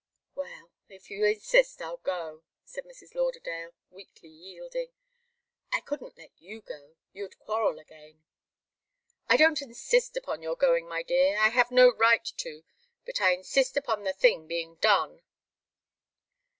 "Well if you insist, I'll go," said Mrs. Lauderdale, weakly yielding. "I couldn't let you go you'd quarrel again." "I don't insist upon your going, my dear I have no right to. But I insist upon the thing being done."